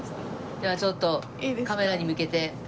ではちょっとカメラに向けて。